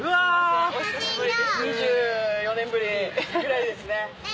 ２４年ぶりぐらいですね。